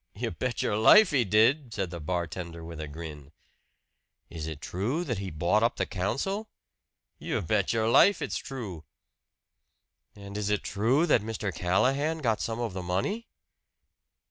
"You bet your life he did!" said the bartender with a grin. "Is it true that he bought up the council?" "You bet your life it's true!" "And is it true that Mr. Callahan got some of the money?"